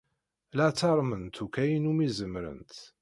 La ttarment akk ayen umi zemrent.